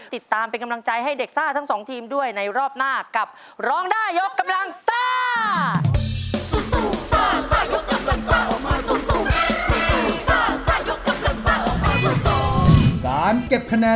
ติดตามเป็นกำลังใจให้เด็กซ่าทั้งสองทีมด้วยในรอบหน้ากับ